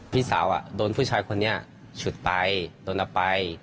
พี่สาวโดนผู้ชายคนนี้ฉุดไปโดนเอาไป